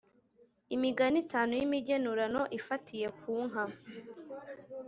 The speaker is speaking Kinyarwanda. imigani itanu y’imigenurano ifatiye ku nka.